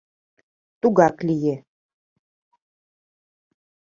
Тугак лие...